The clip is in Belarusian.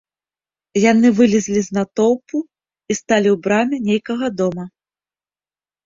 Яны вылезлі з натоўпу і сталі ў браме нейкага дома.